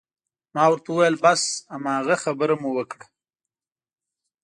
ما ورته وویل: بس هماغه خبره مو وکړه.